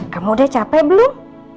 kamu udah capek belum